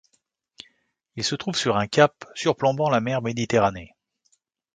Il se trouve sur un cap surplombant la Mer Méditerranée.